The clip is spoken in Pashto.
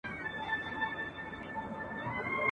دپولادو مړوندونه !.